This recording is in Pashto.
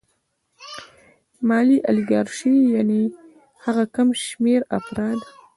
مالي الیګارشي یانې هغه کم شمېر افراد